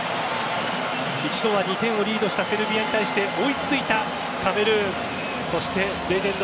一度は２点をリードしたセルビアに対し追いついたカメルーン。